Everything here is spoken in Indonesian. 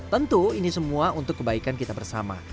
tentu ini semua untuk kebaikan kita bersama